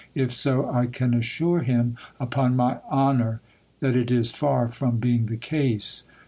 If so, 1 can assure him, upon my honor, that it is far from be ing the case.